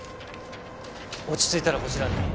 落ち着いたらこちらに。